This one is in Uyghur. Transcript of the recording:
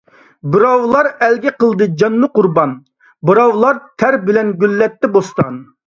بىراۋلار ئەلگە قىلدى جاننى قۇربان، بىراۋلار تەر بىلەن گۈللەتتى بوستان.